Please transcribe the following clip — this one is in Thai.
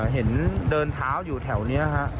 เห็นเดินเท้าอยู่แถวนี้ฮะ